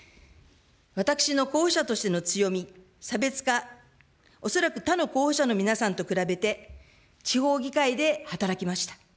私の候補者としての強み、差別化、恐らく、他の候補者の皆さんと比べて、地方議会で働きました。